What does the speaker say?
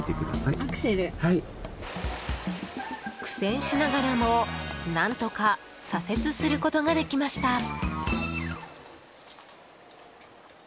苦戦しながらも何とか左折することができました。